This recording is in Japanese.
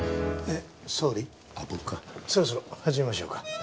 そろそろ始めましょうか。